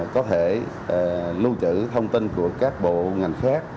có thể lưu trữ thông tin của các bộ ngành khác